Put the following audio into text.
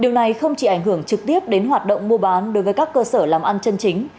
điều này không chỉ ảnh hưởng trực tiếp đến hoạt động mua bán đối với các cơ sở làm ăn chân chính